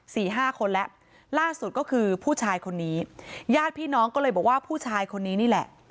สี่ห้าคนแล้วล่าสุดก็คือผู้ชายคนนี้ญาติพี่น้องก็เลยบอกว่าผู้ชายคนนี้นี่แหละ